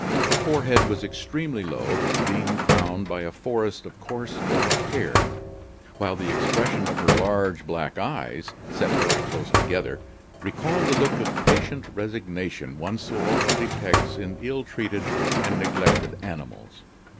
Her forehead was extremely low, being crowned by a forest of coarse, black hair; while the expression of her large, black eyes, set very close together, recalled the look of patient resignation one so often detects in ill treated and neglected animals.